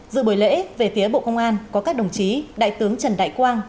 dự buổi lễ về phía bộ công an có các đồng chí đại tướng trần đại quang